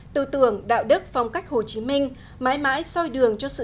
tư tưởng đạo đức phong cách hồ chí minh